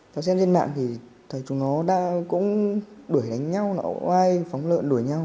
cháu xem trên mạng thì thầy chúng nó cũng đuổi đánh nhau oai phóng lợn đuổi nhau